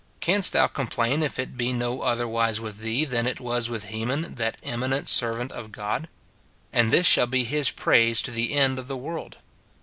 Canst thou complain if it be no otherwise with thee than it was with Heman, that eminent servant of God ? and this shall be his praise to the end of the world.